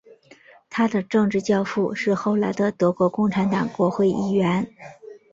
他的政治教父是后来的德国共产党国会议员。